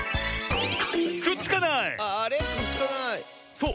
そう。